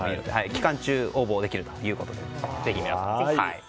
期間中応募できるということです。